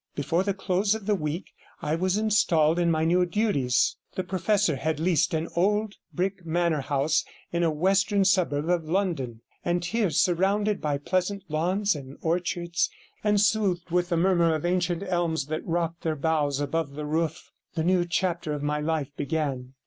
Before the close of the week I was installed in my new duties. The Professor had leased an old brick manor house in a western suburb of London, and here, surrounded by pleasant lawns and orchards, and soothed with the murmur of ancient elms that rocked their boughs above the roof, the new chapter of my life began.